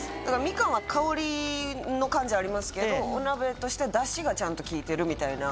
みかんは香りの感じありますけどお鍋としてダシがちゃんと効いてるみたいな。